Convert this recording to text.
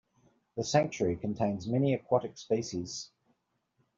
The sanctuary contains many aquatic species.